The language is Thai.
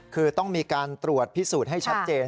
คือต้องมีการตรวจพิสูจน์ให้ชัดเจน